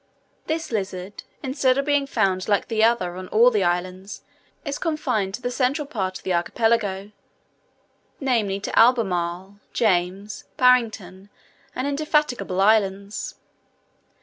This lizard, instead of being found like the other on all the islands, is confined to the central part of the archipelago, namely to Albemarle, James, Barrington, and Indefatigable islands.